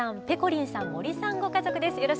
ペコリンさん森さんご家族です。